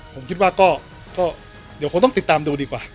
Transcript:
ผมคิดว่าก็เดี๋ยวคงต้องติดตามดูดีกว่า